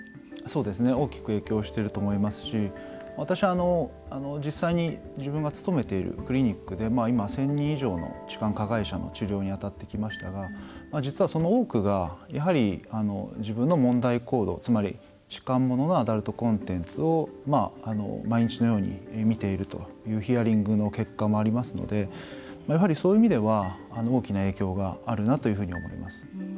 大きく影響していると思いますし私、実際に自分が勤めているクリニックで今１０００人以上の痴漢加害者の治療に当たってきましたが実は、その多くが自分の問題行動つまり痴漢もののアダルトコンテンツを毎日のように見ているというヒアリングの結果もありますのでやはり、そういう意味では大きな影響があるなと思います。